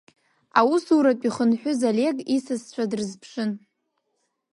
Аусурантә ихынҳәыз Олег исасцәа дрызԥшын.